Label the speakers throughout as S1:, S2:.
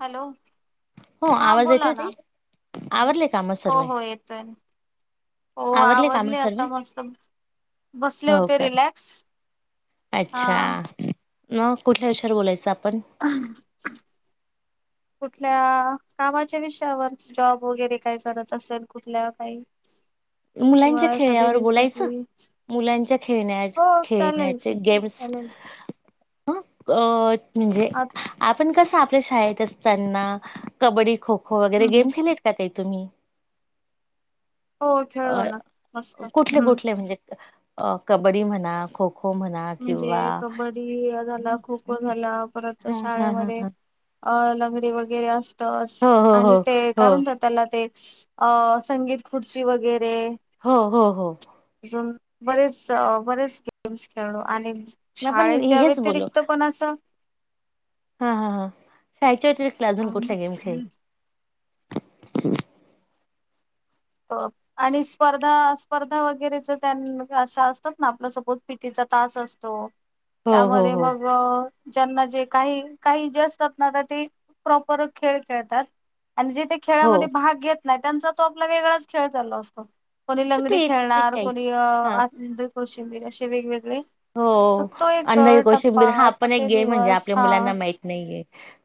S1: Hello
S2: हो
S1: हा
S2: आवाज
S1: बोला
S2: येतोय
S1: ना.
S2: ताई आवरले काम
S1: हो,
S2: सर्वे
S1: हो, येतोय. हो
S2: काम
S1: आवरले
S2: सर्वे
S1: आता मस्त. बसले
S2: हो
S1: होते
S2: का
S1: रिलॅक्स हा
S2: अच्छा मग कुठल्या विषयावर बोलायचं आप
S1: [unintelligible] कुठल्या कामाच्या विषयावर, जॉब वगैरे काय करत असेल कुठल्या, काही किंवा
S2: मुलांच्या
S1: एखादी
S2: खेळ्यावर बोलायचं?
S1: रेसिपी
S2: मुलांच्या खेळण्या,
S1: हो चालेल
S2: खेळण्याचे
S1: की
S2: गेम्स
S1: चालेल
S2: ह अ म्हणजे
S1: आ
S2: पण कस आपल्या शाळेत असताना, कबड्डी खो खो वगैरे गेम खेलेत का ते तुम्ही
S1: हो खेळलो
S2: अ
S1: ना मस्त
S2: कुठले
S1: हम्म
S2: कुठले? म्हणजे कबड्डी म्हणा, खो-खो खो म्हणा किंवा
S1: म्हणजे कबड्डी झाला खो खो झाला, परत
S2: हा हा हा
S1: शाळेमध्ये
S2: हा
S1: अ लंगडी वगैरे
S2: हो
S1: असतच.
S2: हो
S1: आणि ते
S2: हो
S1: काय म्हणतात त्याला ते अ संगीत खुर्ची वगैरे,
S2: हो हो हो हो
S1: अजून बरेच बरेच गेम्स खेळलो. आणि
S2: आपण
S1: शाळेच्या
S2: हेच बोलू
S1: व्यतिरिक्त पण असं
S2: हा हा. शाळेच्या व्यतिरिक्त अजून कुठला गेम खेळल? [inaudible]
S1: आणि स्पर्धा स्पर्धा वगैरे ज अशा असतात ना आप सपोज पीटी तास असतो
S2: हो हो
S1: त्यामध्ये
S2: हो
S1: मग ज्यांना जे काही काही जास्त ना तर, ते प्रॉपर खेळ खेळतात आणि जेथे
S2: हो
S1: खेळामध्ये भाग घेत नाही, त्यांचा तो आपला वेगळाच खेळ चाल असतो. कोणी लंगडी
S2: ते ते
S1: खेळणार,
S2: काही
S1: कोणी
S2: हा
S1: आंदळी कोौशिंबीर, असे वेगवेगळे
S2: हो
S1: त तो
S2: अंधाई
S1: एकर
S2: कोशिंबीर
S1: टप्पा,
S2: हा पण एक
S1: ते
S2: गेम म्हणजे
S1: दिवस
S2: आपल्या
S1: हा
S2: मुलांना माहित नाहीये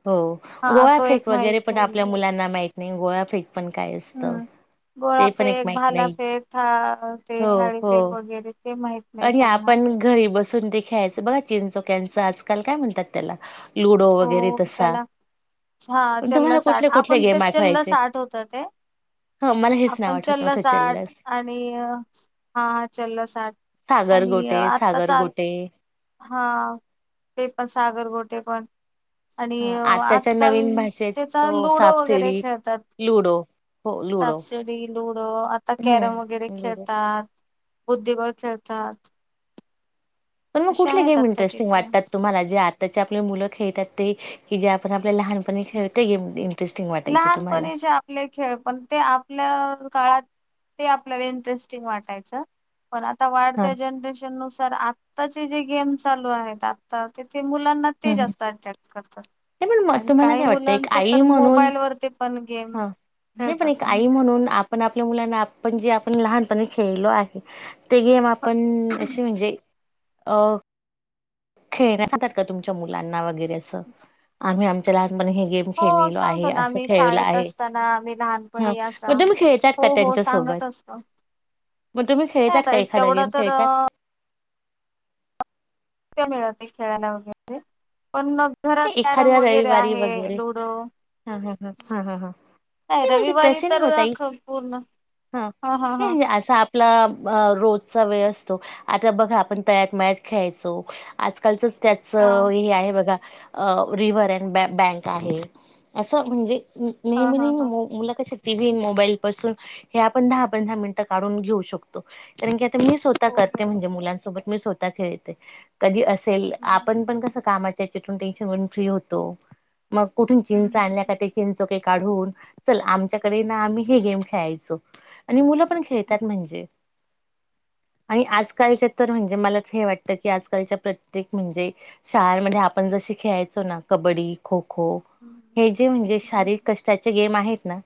S2: हो.
S1: हा तो एक
S2: गोळाफेक
S1: माहित
S2: वगैरे पण
S1: नाहीये.
S2: आपल्या मुलांना माहत नाही. गोळाफेक पण काय असतं? ते पण एक
S1: गोळाफेक,
S2: माहित नाही
S1: भालाफेका, ते
S2: हो हो
S1: थाळीफेक वगैरे. ते माहित नाही
S2: आणि
S1: त्यांना.
S2: आपण घरी बसून ते ख्यायचं बघा चिंचोक्यांचं आजकाल काय म्हणतात त्याला लुडो वगैरे
S1: हो
S2: तसा.
S1: त्याला हा
S2: पण
S1: चल्ल
S2: तुम्हाला कुठले
S1: साठ
S2: कुठले
S1: आपण ते
S2: गेम
S1: चल्ल
S2: आठवायचे
S1: साठ होत ते.
S2: ह मला हेच नाव
S1: आपण
S2: आठवत नव्हतं
S1: चललस आठ
S2: चल्लस
S1: आणि हा चललस आठ.
S2: सागर
S1: आणि
S2: गोटे
S1: आता
S2: सागर
S1: चाल.
S2: गोटे
S1: हा ते पण सागरगोठे पण.
S2: ह
S1: आणि
S2: आताच्या
S1: आजकाल
S2: नवीन भाषेत
S1: त्याचा
S2: तो
S1: लुडो वगैरे
S2: सापसिडी,
S1: खेळतात.
S2: लुडो हो लुडो
S1: सापसिडी लुडो आता कॅरम वगैरे
S2: हम्म लुडो
S1: खेळतात. बुद्धिबळ खेळतात.
S2: पण मग
S1: असे
S2: कुठले
S1: आहेत
S2: गेम
S1: आत्ताचे
S2: इंटरेस्टिंग
S1: खेळ.
S2: वाटतात तुम्हाला जे आताचे आपले मुलं खेळतात ते की जे आपण. लहानपण खेळते गेम इंटरेस्ट.
S1: लहानपणी जे आपले खेळ पण ते आपल्या काळात ते आपल्याला इंटरेस्टिंग वाटायचं.. पण आता
S2: ह
S1: वाढत्या जनरेशन नुसार आत्ताचे जे गेम चालू आहेत आता ते. मुलांना ते
S2: नाही
S1: जास्त अट्रॅक्ट करतात
S2: पण मग
S1: आणि
S2: तुम्हाला
S1: काही
S2: काय
S1: मुलंच तर मो मोबाईल वरती पण.
S2: हा नाही पण
S1: खेळतात.
S2: एक आई म्हणून. आप आपल्या मुलांना आपण जे आपण लहानप खेळलो आहे ते गेम आप पण असे म्हणजे अ. खेळ खातात का तुमच्या मुलांना वगैरे असं आम्ही आमच्याला हे गेम
S1: हो
S2: खेले आहे
S1: सांगतो ना
S2: अस
S1: आम्ही
S2: खेळ
S1: शाळेत
S2: आहेण
S1: असताना आम्ही
S2: खेळात का?
S1: त
S2: त्यांच्यासोबत?
S1: सांगत असत
S2: मग तुम्ही खेळतात का
S1: आता
S2: एखादा
S1: तेवढं
S2: गेम
S1: तर
S2: खेळतात?
S1: मिळते खेळायला वगैरे पण
S2: नाही,
S1: घरात कॅरम
S2: एखाद्या
S1: वगैरे
S2: रविवारी
S1: आहे
S2: वगैरे
S1: लुडो.
S2: हा हा हा हा हा हा.
S1: नाही
S2: नाही म्हणजे
S1: रविवारी
S2: तसे नाही ओ
S1: तर
S2: ताई
S1: पूर्ण
S2: हा असा आपला रोजचा वेळ अस आता बघा आपण तयात मयात खेळायचो आजकालच
S1: हा
S2: त्याचं हे आहे बघा रि्हर अँड ब बँक आहे असं म्हणजे
S1: हा
S2: नेहमी
S1: हा
S2: नाही
S1: हा
S2: ममी मुला कशी. टी व्ही मोबाईल पासून हे आपण दहा पंधरा मिनिटं काढून घेऊ शकतो. कारण की आता मी स्वतः
S1: हो
S2: करते
S1: बर
S2: म्हणजे मुलांसोबत मी स्वतः खेळते कधी असेल आपण पण कस कामाच्याच्यातून टेन्शनून फ्री होतो. मग कुठून चिंच आणण्या चिंनकोके. च आमच्याकडे आम्ही हे गेम खेळाचो आणि मु पण खेळतात म्हणजे आणि आजकालच्या तर म्हणजे मला हे वाटतं की आजकालच्या प्रत्येक म्हणजे शाळमध्ये आपण ज खेलायचो ना कबबडी खो खो हे जे म्हणजे शारीरिक कष्ट चे गेम आहेत ना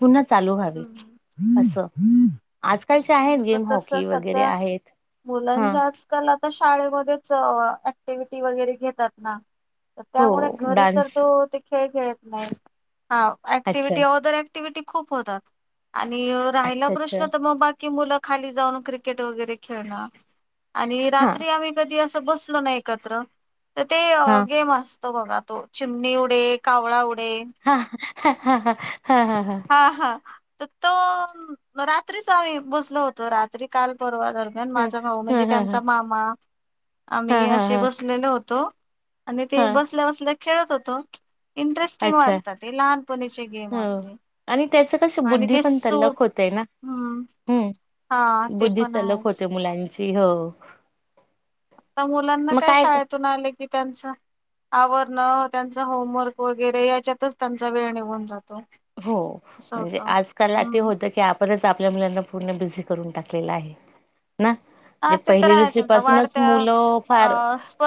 S2: पुन्हा चालू व्हावे असं त्यांचे आहेत
S1: तर
S2: गेम
S1: तस
S2: हॉकी वगैरे
S1: सध्या
S2: आहेत हा.
S1: तर शाळेमध्येच ऍक्टिव्हीटी वगैरे घेतात ना तर
S2: हो
S1: त्यामुळे घरी तर
S2: डान्स
S1: तो ते खेळ खेळत नाही ह
S2: अच्छा
S1: ऍक्टिव्हिटी औदर ऍक्टिव्हटी खूप होतात आणि राहिला
S2: अच्छा अच्छा
S1: प्रश्न तर मग बाकी मुलं खाली जाऊन क्रिकेट वगैरे खेळणं आणि
S2: हा
S1: रात्री आम्ही कधी असं बसलो ना एकत्र तर ते
S2: हा
S1: गेम असत [unintelligible]
S2: हा हा
S1: हा हा तर तो रात्रीच आम्ही बसलो होतो रात्री काल परवाच दरम्यान माझा भाऊ
S2: हा
S1: म्हणजे
S2: हा हा
S1: त्यांचा मामा
S2: हा
S1: आम्ही
S2: हा
S1: असे
S2: हा
S1: बसलेलो होतो आणि ते
S2: हा
S1: बसल्या बसल्या खेळत होतो इंटरेस्टिंग
S2: अच्छा
S1: वाटतात ते लहानपणीचे गेम
S2: हो.
S1: आपले
S2: आणि त्याचं कस
S1: आणि
S2: बुद्धी
S1: ते
S2: पण
S1: सूर
S2: तल्लक होते ना
S1: हम्म हा
S2: हम्
S1: ते
S2: बुद्धी
S1: पण
S2: तल्लख
S1: आहेच
S2: होते मुलांची हो.
S1: आता मुलांना काय शाळेतून आले की त्यांचं आवरण त्यांचा होमवर्क वगैरे याच्यातच त्यांचा वेळ निघून जातो.
S2: हो
S1: असं
S2: म्हणजे
S1: होतं
S2: आजकाल आती
S1: हम्म
S2: होत की आपणच आपल्या मुलांना पूर्ण बिझी करून टाकलेला आहे ना.
S1: हा
S2: जे
S1: ते तर
S2: पहिली
S1: आहेच
S2: दुसरी
S1: आता
S2: पासूनच
S1: वाढत्या
S2: मुलं
S1: अ
S2: फार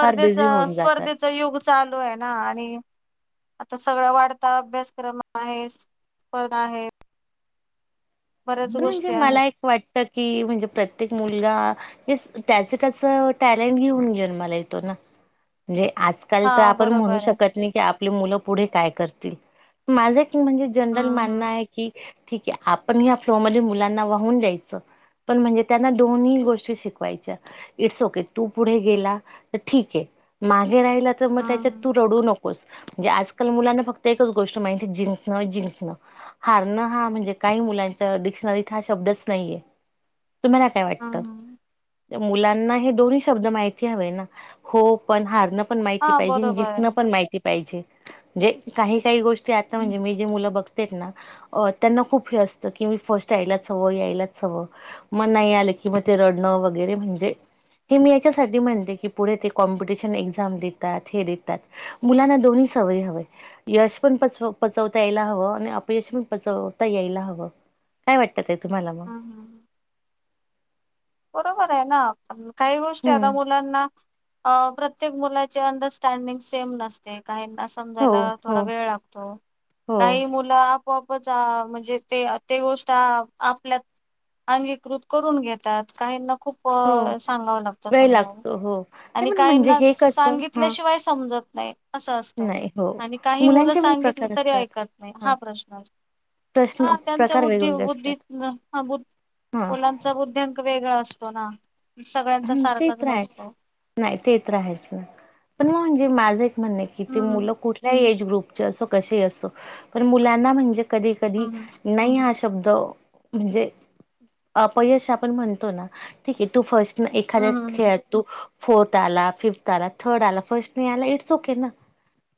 S2: फार बिझी होऊन जातात
S1: स्पर्धेच युग चालू आहे. ना आणि आता सगळा वाढता अभ्यासक्रम आहे स्पर्धा आहे. बऱ्याच
S2: पण म्हणजे
S1: गोष्टी आहेत.
S2: मला एक वाटत की म्हणजे प्रत्येक मुलगा त्याच त्याच टॅलेंट घेऊन जन्माला येतो ना म्हणजे आजकाल तर
S1: हा
S2: आपण म्हणू
S1: बरोबर आहे
S2: शकत नाही की आपली मुलं पुढे काय करतील माझे म्हणजे जनरल
S1: हम्म
S2: मानणं
S1: हम्म
S2: आहे की ठीक आहे आपण या फ्लोमध्ये मुलांना वाहून द्यायचं पण म्हणजे त्यांना दोन्ही गोष्टी शिकवायच्या इट्स ओके तू पुढे गेला तर ठीक आहे मागे राहिला तर मग त्याच्यात तू
S1: हम्म
S2: रडू नको स म्हणजे आजकाल मुलांना फक्त एकच गोष्ट माहित आहे जीकणं जीकणं हारण हा म्हणजे काही मुलांच्या डिक्शनरीत हा शब्दच नाहीये तुम्हाला काय
S1: हम्म
S2: वाटत.
S1: हम्म हम्म
S2: मुलांना हे दोन्ही शब्द माहिती हवे ना हो पण हारण पण माहीती
S1: हा
S2: पाहिजेे
S1: बरोबर
S2: जिंकण
S1: आहे.
S2: पण माहीती पाहिजे म्हणजे काही काही गोष्टी आता
S1: हम्म
S2: म्हणजे मी जे मुलं बघते ना त्यांना खूप हे असत की मी फर्स्ट यायलाच हवं यायलाच हवं मग नाही आलं की मग ते रडणं वगैरे म्हणजे हे मी याच्यासाठी म्हणते की पुढे ते कॉमपिटिशन एक्झाम देतात हे देतात मुलांना दोन्ही सवय हवय यश पण पचवता यायला हवं आणि अपयश पण पचवता यायला हवं काय वाटतात ताई तुम्हाला मग.
S1: हम्म बरोबर आहे ना प काही गोष्टी आता
S2: हम्म
S1: मुलांना अ प्रत्येक मुलाचे अंडरस्टँडिंग सेम नसते. काहीना
S2: हो
S1: समजायला
S2: हो
S1: थोडा वेळ लागतो
S2: हो
S1: काही मुलं आपोआपच म्हणजे ते ते गोष्ट आपल्यात अंगीकृत करून घेत तात काहीना खूप
S2: हो.
S1: सांगावं लागतं
S2: वेळ
S1: समजायला
S2: लागतो हो
S1: आणि
S2: नाही पण म्हणजे
S1: काहींना
S2: हे कसं
S1: सांगितल्या
S2: हा
S1: शिवाय समजत तच असतं
S2: नाही हो
S1: आणि काही मुलं
S2: मुलांचे पण
S1: सांगितली
S2: प्रकार
S1: तरी
S2: असतात
S1: ऐकत नाही हा प्रश्न अस
S2: प्रश्न
S1: हा त्यांचा
S2: प्रकार
S1: बुद्धी
S2: वेगवेगळे
S1: बुद्धी
S2: असतात हा
S1: मुलांचा बुद्धय़ांक वे वेगळा असतो ना. सगळ्यांचा
S2: ह ते
S1: सारखाच
S2: तर आहेच
S1: नसतो.
S2: नाय ते तर आहेच ना पण म्हणजे मा म्हणणं आहे कि
S1: हम्म
S2: मुल कुठल्या एज ग्रुप असो कसेही असो पण मुलांना म्हणजे कधी कधी
S1: हम्म
S2: नाही हा शब्द शब्द म्हणजे अपयश आपण म्हणतो ना ठीक आहे तू फस्ट एखाद्या
S1: हम्म हम्म हम्म.
S2: खेळात तु फोर्थ आला फिफ्थ आला थर्ड आला फर्स्ट नाही आला इटस ओके ना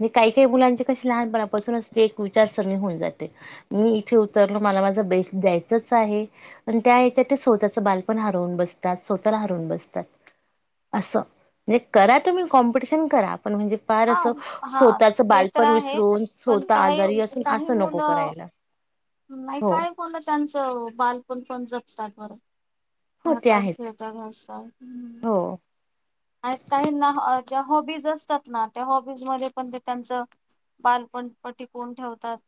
S2: हे काही काही मुलांचे कशी लहानपणापासूनच एक विचारसणी होऊन जाते मी इथे उतरलो म माझा बेसत द्यायचच आहे त्या स्वतःच बाल पण हरवून बसतात स्व तंतर हरुन बसतात अस म्हणे करा तुम्ही कॉम्पिटिशन करा पण म्हणजे फार
S1: हा
S2: असं
S1: हा
S2: स्वतःचं
S1: ते तर
S2: बालपण
S1: आहे.
S2: विसरून
S1: पण
S2: स्वतः
S1: काही
S2: आजारी असून
S1: काही
S2: असं नको
S1: मुलं
S2: करायला. [unintelligible]
S1: नाही
S2: हो
S1: काय फन त्यांचं बालपण जपु साल बर
S2: हो ते
S1: राहतात
S2: आहेच
S1: फिरतात हसतात.
S2: हो.
S1: आणि काही ना ज्या हॉबीज असतात ना त्या हॉबीजमध्येध्ये पण ते त्यांच बालपणप्टी कोण ठेवतात.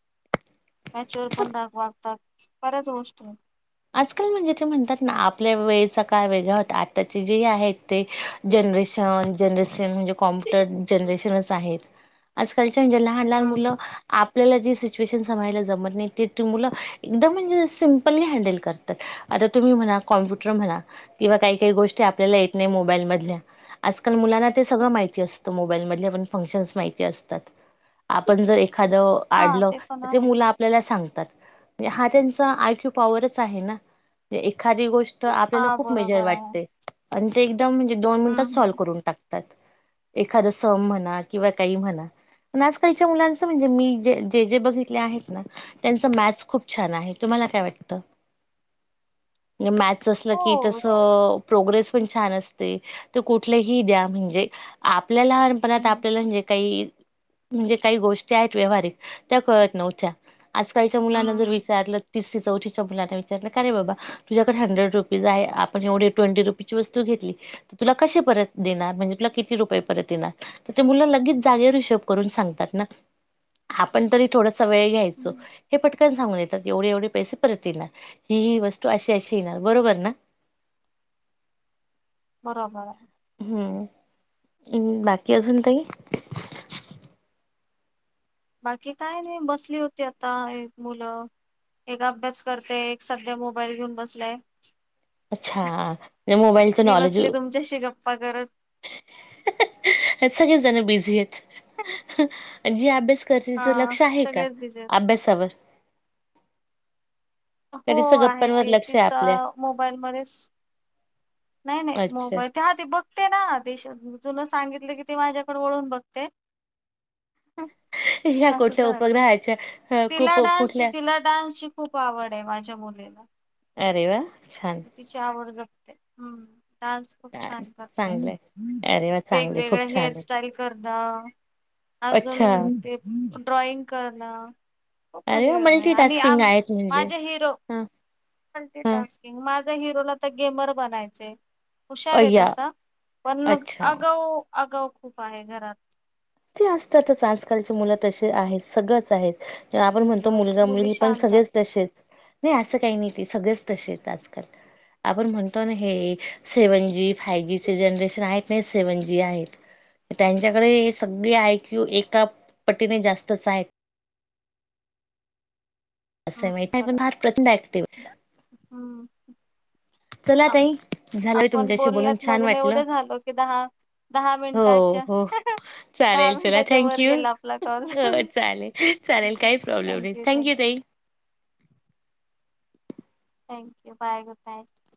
S1: मॅचर पण राग वागतात बऱ्याच गोष्टी
S2: आजकाल म्हणजे ते म्हणतात ना आपल्या वेळेचा काळ वेगळा होता आत्ताची जी आहेत ते जनरेशन जनरेशन म्हणजे कॉम्प्युटर जनरेशनच आहेत आजकाल म्हणजे लहान लहान
S1: हम्म
S2: मुलं
S1: हम्म.
S2: आप आपल्याला जी सिच्युएशन समाळायला जमत नाही. ते ती मुलं एकदम म्हणजे सिमपली हॅडल करतात. आता तुम्ही म्हणाल कॉम्प्युटर म्हणा किंवा काही काही गोष्टी आपल्याला येत नाही मोबाईल मधल्या आजकाल मुलांना ते सगळं माहिती असतं मोबाईल मधले पण. फंक्शन्स माहिती असतात. आपण जर एखाद
S1: हा
S2: आडलं
S1: पण
S2: ते
S1: आहेच
S2: मुलं आपल्याला सांगतात. हा त्यांचा आय क्यू पाॅवरच एखादी गोष्ट आपल्या
S1: हा
S2: खुप मेजर
S1: बरोबर आहे.
S2: वाटते. ते म्हणजे दोन मिनिटात
S1: हम्म
S2: सॉल
S1: हम्म.
S2: करून टाकतात. एखाद सम म्हणा किंवा काही म्हणा. पण आजकालच्या मुलांच म्हणजे मी जे जे बघितले आहेत ना. त्यांच मॅथ खूप छान आहे. तुम्हाला काय वाटतं. मॅथ असल की
S1: हो
S2: तस प्रोग्रेस पण छान असते. तर कुठल्याही द्या म्हणजे आप आपल्या लानपणात
S1: हम्म
S2: आपल्याला जे काही म्हणजे काही गोष्टी आहेत व्यावहारिक त्या कळत नव्हत्या. आजकालच्या मुलांना जर
S1: हम्म
S2: विचारलं तिसरी चौथीच्या मुलांना का रे बाबा तुझ्याकडे हंड्रेड रुपीज आहे. आपण एवढे ट्वेंटी रुपीची वस्तू घेतली. तर तुला कशे परत देणार म्हणजे तुला किती रुपए परत देणार. म्हणजे मूल लागेच जागेवर हिशोब करून सांगतात ना. आपण तरी थोडासा वेळ घ्यायचो.
S1: हम्म
S2: हे पटकन सांगून येतात. एवढे एवढे पैसे परत येणार. ही ही वस्तू अशी अशी आहे ना बरोबर ना.
S1: बरोबर आहे.
S2: हम्म बाकी अजून काही
S1: बाकी काय नाही बसली होती आता. एक मुलं एक अभ्यास करते. एक सध्या मोबाईल घेऊन बसलाय.
S2: अच्छा मोबाईलच नॉलेज
S1: गरज
S2: सगळेच बिझी आहेत. जी अभ्यास करण्याच
S1: हा
S2: लक्ष आहे का?
S1: सगळेच बिझी आहेत.
S2: अभ्यासावर. का
S1: हो
S2: नुसतं
S1: आहे.
S2: गप्पांवर
S1: ते
S2: लक्ष आहे
S1: तिचा
S2: आपल्या?
S1: मोबाईल मध्येच नाही नाही
S2: अच्छा
S1: मोबाईल त्या आधी बघ तेना देश जुन सांगितलं की ती माझ्याकडे वळून बघते.
S2: [inaudible]
S1: असं
S2: कुठल्या
S1: तर वाट
S2: उपग्रहाच्या
S1: तिला
S2: खूप
S1: डान्सची
S2: कुठल्या
S1: तिला डान्सची खूप आवड आहे. माझ्या मुलीला. [unintelligible]
S2: अरे वा छान.
S1: तिची आवड हम्म डान्स खूप
S2: अ,
S1: छान करते.
S2: चांगलंय अरे वा चांगलंय
S1: वेगवेगळ्या
S2: खूप छान
S1: हेअर
S2: आहे.
S1: स्टाईल करन.
S2: अच्छा
S1: अजून ते ड्रॉइंग करणं. खूप
S2: अरे
S1: मजे
S2: वा
S1: वेग आणि
S2: मल्टीटास्किंग
S1: आम
S2: आहेत म्हणजे
S1: माझे हिरो
S2: हा हा
S1: मल्टीटास्किंग माझे हिरोला तर गेमर बनायचे. हुशार आहे
S2: अय्या
S1: तसा. पण
S2: अच्छा
S1: अगाउ अगाऊ खूप आहे घरात.
S2: ते असतातच. आजकालची मुलं तसे आहेत. सगळंच आहेत. आपण म्हणतो
S1: मुलं
S2: मुलगा
S1: मुली
S2: मुलगी पण
S1: शांत
S2: सगळेच
S1: असतात
S2: तसेच नाही असं काही नाही ते. सगळंच तसे आहेत आजकाल. आपण म्हणतो ना हे सेव्हन जी फायव जीचे जनरेशन आहे. ते सेव्हन जी आहे. त्यांच्याकडे हे सगळे आयक्यू एका पटीने जास्तच आहेत.
S1: हम्म
S2: असं माही आहे पण
S1: बरं
S2: फार प्रचंड ऍक्टिव्ह चला
S1: आप
S2: ताई झालं
S1: आपण
S2: तुमच्याशी बोलून
S1: बोलण्यात
S2: छान
S1: मग्न
S2: वाटलं.
S1: एवढं झालो कि दहा दहा
S2: हो
S1: मिनिटाच्या
S2: हो
S1: दहा
S2: चालेल चला
S1: मिनिटाच्या
S2: थँक
S1: वर
S2: यू.
S1: गेला आपला कॉल.
S2: हो चालेल चालेल काही प्रॉब्लेम नाही.
S1: थँक्यू
S2: थँक यू
S1: थँक्यू
S2: ताई. [inaudible]
S1: थँक्यू. Bye good night.